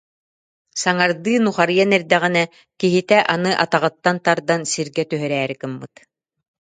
Саҥардыы нухарыйан эрдэҕинэ, «киһитэ» аны атаҕыттан тардан сиргэ түһэрээри гыммыт